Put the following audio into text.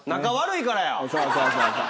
そうそうそうそう。